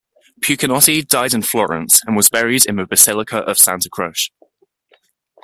Puccinotti died in Florence and was buried in the Basilica of Santa Croce.